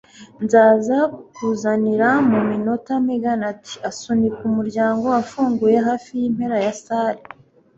Nzaza kukuzanira mu minota, Megan ati, asunika umuryango ufunguye hafi yimpera ya salle.